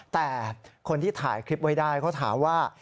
แต่คนที่ถ่ายคลิปไว้ได้เขาถามว่า